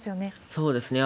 そうですね。